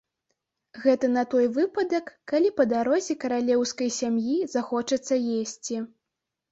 Гэта на той выпадак, калі па дарозе каралеўскай сям'і захочацца есці.